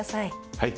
はい。